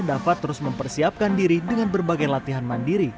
dapat terus mempersiapkan diri dengan berbagai latihan mandiri